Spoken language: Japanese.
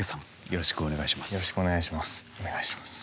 よろしくお願いします。